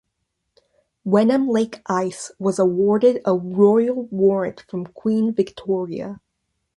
Wenham-lake ice was awarded a royal warrant from Queen Victoria.